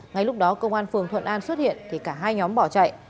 ngay lúc đó công an phường thuận an xuất hiện thì cả hai nhóm bỏ chạy